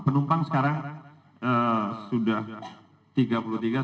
penumpang sekarang sudah